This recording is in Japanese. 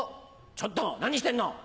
ちょっと何してんの。